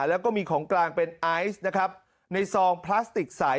แล้วก็มีของกลางเป็นไอซ์นะครับในซองพลาสติกใส